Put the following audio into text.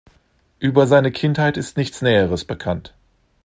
Über seine Kindheit ist nichts Näheres bekannt.